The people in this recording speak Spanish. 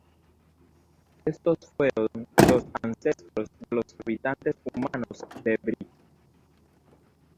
Estos fueron los ancestros de los habitantes humanos de Bree.